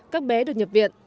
các bé được nhập viện